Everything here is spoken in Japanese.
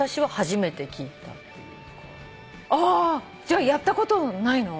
あ！じゃあやったことないの？